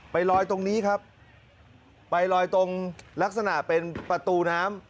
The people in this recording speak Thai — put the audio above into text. ไปลอยตรงนี้ครับไปลอยตรงลักษณะเป็นประตูน้ำ